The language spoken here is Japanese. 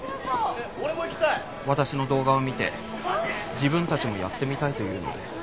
私の動画を見て自分たちもやってみたいと言うので。